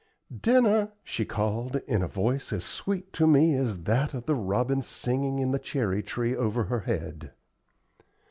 "Dinner," she called, in a voice as sweet to me as that of the robin singing in the cherry tree over her head.